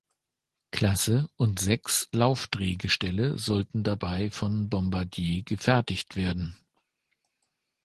Klasse und sechs Laufdrehgestelle sollten dabei von Bombardier gefertigt werden.